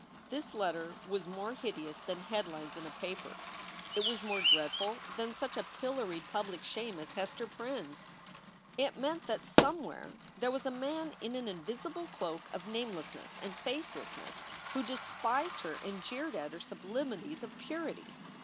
This letter was more hideous than headlines in a paper. It was more dreadful than such a pilloried public shame as Hester Prynne s. It meant that somewhere there was a man in an invisible cloak of namelessness and f acelessness who despised her and jeered at her sublimities of purity.